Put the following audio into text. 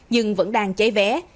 nhưng vẫn đang cháy vé